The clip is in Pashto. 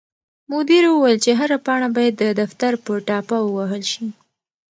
مدیر وویل چې هره پاڼه باید د دفتر په ټاپه ووهل شي.